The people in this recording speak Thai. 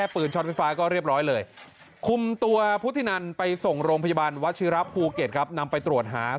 ปืนช็อตไฟฟ้าต้องมาฮะ